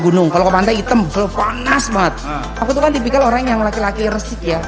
gunung kalau ke pantai hitam panas banget aku tuh kan tipikal orang yang laki laki resik ya